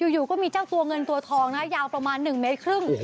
อยู่ก็มีเจ้าตัวเงินตัวทองนะคะยาวประมาณ๑เมตรครึ่ง